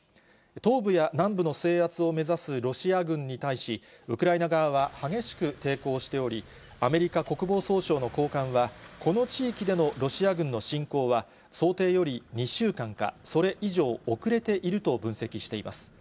東部や南部の制圧を目指すロシア軍に対し、ウクライナ側は激しく抵抗しており、アメリカ国防総省の高官は、この地域でのロシア軍の侵攻は、想定より２週間か、それ以上、遅れていると分析しています。